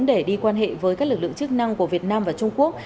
để đi quan hệ với các lực lượng chức năng của việt nam và trung quốc